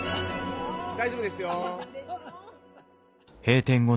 大丈夫ですよ。